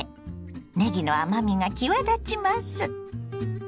ねぎの甘みが際立ちます。